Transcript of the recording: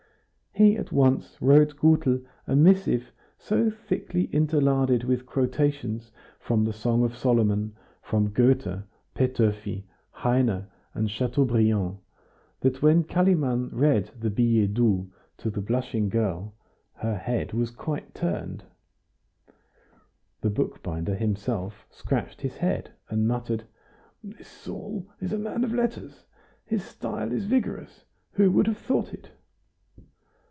He at once wrote Gutel a missive so thickly interlarded with quotations from the Song of Solomon, from Goethe, Petofi, Heine, and Chateaubriand, that when Kalimann read the billet doux to the blushing girl her head was quite turned. The bookbinder himself scratched his head and muttered: "This Saul is a man of letters; his style is vigorous! Who would have thought it?"